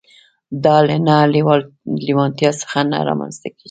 دا له نه لېوالتيا څخه نه رامنځته کېږي.